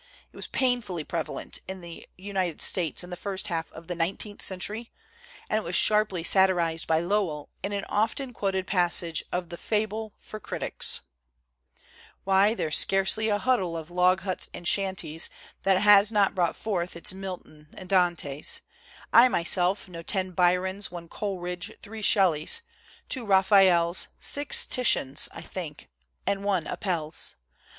It was painfully 74 WHAT IS AMERICAN LITERATURE? prevalent in the United States in the first half of the nineteenth century; and it was sharply satirized by Lowell in an often quoted passage of the Table for Critics': Why, there's scarcely a huddle of log huts and shanties That has not brought forth its Miltons and Dantes: I myself know ten Byrons, one Coleridge, three Shel leys, Two Raphaels, six Titians (I think), one Apelles.